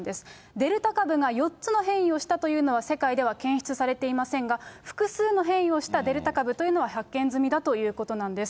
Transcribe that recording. デルタ株が４つの変異をしたというのは世界では検出されていませんが、複数の変異をしたデルタ株というのは発見済みだということなんです。